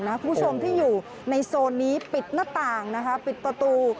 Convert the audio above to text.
คุณผู้ชมที่อยู่ในโซนนี้ปิดหน้าต่างนะคะปิดประตู